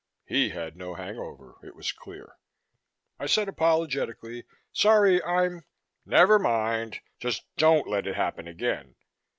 He had no hangover, it was clear. I said apologetically, "Sorry, I'm " "Never mind. Just don't let it happen again."